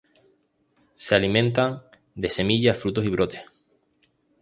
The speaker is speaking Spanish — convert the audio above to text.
Se alimentan de semillas, frutos, y brotes.